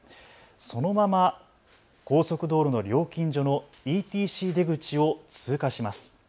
そのまま高速道路の料金所のＥＴＣ出口を通過します。